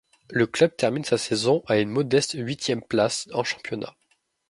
Le club termine sa saison à une modeste huitième place en championnat.